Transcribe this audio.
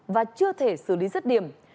và chưa thể xử lý rất điểm